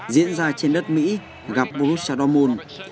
diễn ra trên đất mỹ gặp borussia dortmund